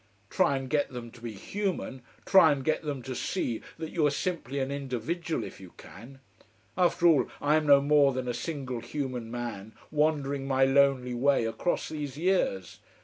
Try and get them to be human, try and get them to see that you are simply an individual, if you can. After all, I am no more than a single human man wandering my lonely way across these years.